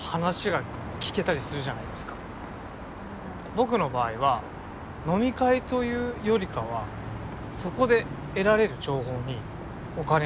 僕の場合は飲み会というよりかはそこで得られる情報にお金を支払ってるって感じです。